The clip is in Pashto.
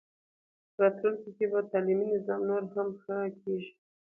په راتلونکي کې به تعلیمي نظام نور هم ښه کېږي.